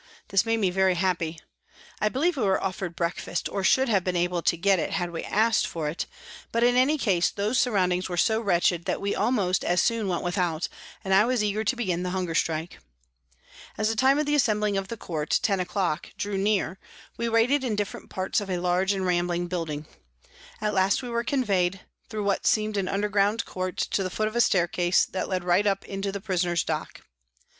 This made me very happy. I believe we were offered breakfast, or should have been able to get it had we asked for it, JANE WARTON 257 but, in any case, those surroundings were so wretched that we almost as soon went without, and I was eager to begin the hunger strike. As the time of the assembling of the court, 10 o'clock, drew near we waited in different parts of a large and rambling building. At last we were conveyed, through what seemed an underground court, to the foot of a staircase that led right up into the prisoner's dock.